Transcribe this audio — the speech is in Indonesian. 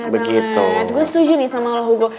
bener banget gue setuju nih sama lo hugo